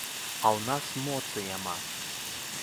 А ў нас моцы няма.